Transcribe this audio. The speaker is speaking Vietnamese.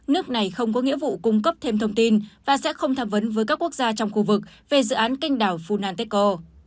nước này không có nghĩa vụ cung cấp thêm thông tin và sẽ không tham vấn với các quốc gia trong khu vực về dự án kinh đảo funantechco